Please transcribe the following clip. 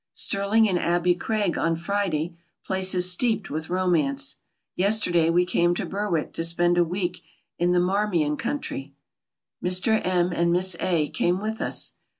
Stirling and Abbey Craig on Friday, places steeped with romance. Yesterday we came to Berwick to spend a week in the Marmion country. Mr. M. and Miss A. came with us.